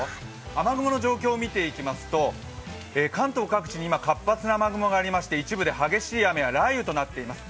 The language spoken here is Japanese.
雨雲の状況を見ていきますと関東各地に今活発な雨雲がありまして一部で激しい雨や、雷雨となっています。